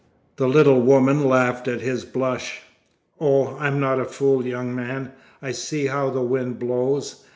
The little woman laughed at his blush. "Oh, I'm not a fool, young man. I see how the wind blows!"